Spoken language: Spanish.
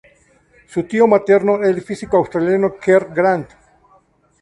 Su tío materno era el físico australiano Kerr Grant.